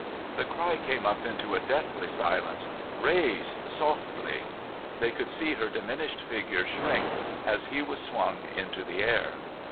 The cry came up into a deathly silence :' Raise I Softly !' They could see her diminished figure shrink, as he was swung into the air.